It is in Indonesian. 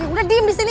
udah diem di sini